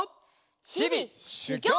ひびしゅぎょう！